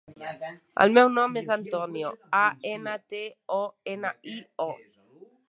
El meu nom és Antonio: a, ena, te, o, ena, i, o.